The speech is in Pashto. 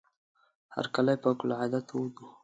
هرکلی فوق العاده تود وو.